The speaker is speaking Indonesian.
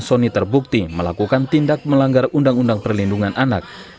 sony terbukti melakukan tindak melanggar undang undang perlindungan anak